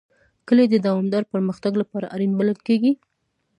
کلي د دوامداره پرمختګ لپاره اړین بلل کېږي.